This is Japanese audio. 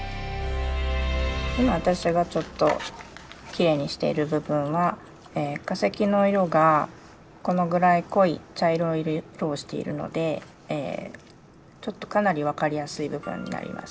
今私がちょっときれいにしている部分は化石の色がこのぐらい濃い茶色をしているのでかなり分かりやすい部分になります。